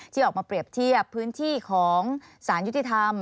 ที่ออกมาเปรียบเทียบพื้นที่ของสารยุติธรรม